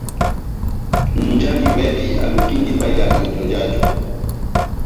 Nʼjanji wɛ́hɛ́pi alukindi ipahiya ihɔjɔ jáju.